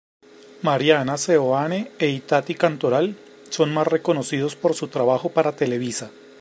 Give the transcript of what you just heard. Mariana Seoane e Itatí Cantoral son más reconocidos por su trabajo para Televisa.